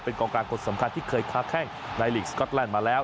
กองกลางคนสำคัญที่เคยค้าแข้งในลีกสก๊อตแลนด์มาแล้ว